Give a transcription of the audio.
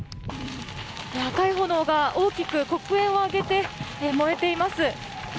赤い炎が大きく黒煙を上げて燃えています。